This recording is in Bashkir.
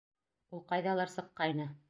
Ул ҡайҙалыр сыҡҡайны.